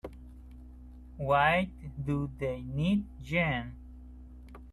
Why do they need gin?